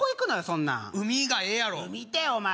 そんなん海がええやろ海てお前